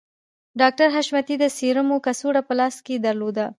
ډاکټر حشمتي د سيرومو کڅوړه په لاس کې درلوده